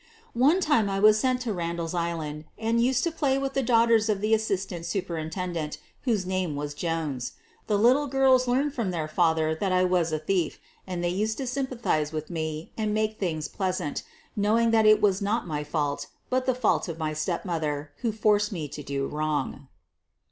One time I was sent to Randall's Island and used to play with the daughters of the assistant superintendent, whose name was Jones. The little girls learned from their father that I was a thief, and they used to sympathize with me and make things pleasant, knowing that it was not my fault, but the fault of my stepmother, who forced me to do wrong.